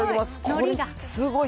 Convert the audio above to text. これ、すごい。